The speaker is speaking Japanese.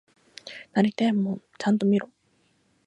なりてえもんちゃんと見ろ！